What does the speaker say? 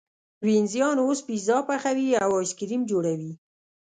وینزیان اوس پیزا پخوي او ایس کریم جوړوي.